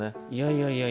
いやいや。